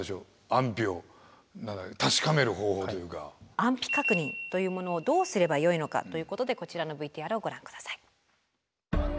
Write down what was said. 安否確認というものをどうすればよいのかということでこちらのＶＴＲをご覧下さい。